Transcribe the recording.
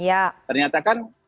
ya ternyata kan